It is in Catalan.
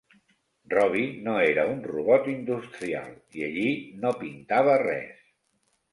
Robbie no era un robot industrial i allí no pintava res.